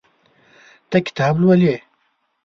ته کتاب لولې.